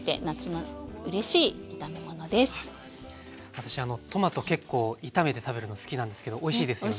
私トマト結構炒めて食べるの好きなんですけどおいしいですよね